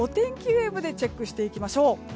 ウェーブでチェックしていきましょう。